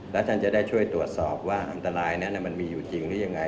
แล้วท่านจะได้ช่วยตรวจสอบว่าอันตรายนั้นมันมีอยู่จริงหรือยังไง